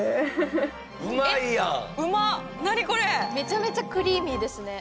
めちゃめちゃクリーミーですね。